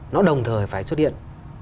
nó đồng thời phải xuất hiện